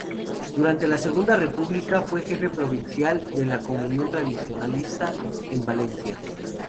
Durante la Segunda República fue jefe provincial de la Comunión Tradicionalista en Valencia.